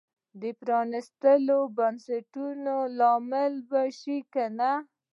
د پرانیستو بنسټونو لامل به شي که نه.